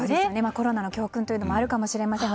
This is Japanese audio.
コロナの教訓があるかもしれません。